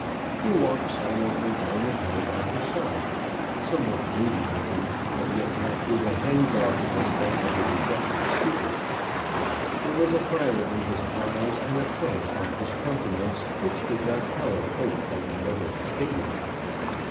He walked silently down the hill by her side, somewhat moody looking, but yet not with the hang dog aspect of a rejected suitor. There was a fire in his eyes and a play upon his countenance which did not tell of hope altogether extinguished.